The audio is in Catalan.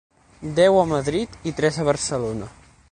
Deu a Madrid i tres a Barcelona.